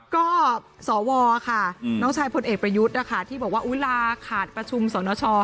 ก็สวค่ะน้องชายพลเอกประยุทธ์นะคะที่บอกว่าเวลาขาดประชุมสนช